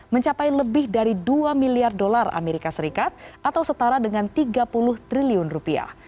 mencapai lebih dari dua miliar dolar amerika serikat atau setara dengan tiga puluh triliun rupiah